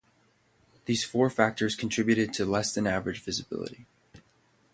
These four factors contributed to less than average visibility.